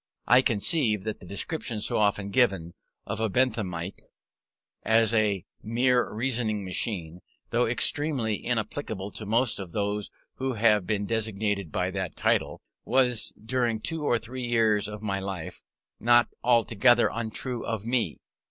I conceive that the description so often given of a Benthamite, as a mere reasoning machine, though extremely inapplicable to most of those who have been designated by that title, was during two or three years of my life not altogether untrue of me.